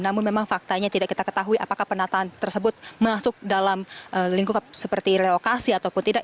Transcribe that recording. namun memang faktanya tidak kita ketahui apakah penataan tersebut masuk dalam lingkup seperti relokasi ataupun tidak